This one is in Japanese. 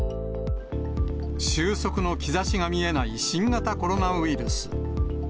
収束の兆しが見えない新型コロナウイルス。